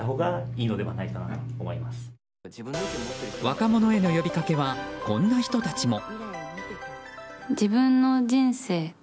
若者への呼びかけはこんな人たちも。